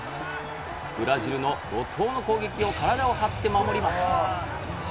ブラジルの怒涛の攻撃を体を張って守ります。